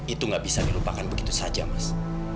itu nggak bisa dilupakan begitu saja mas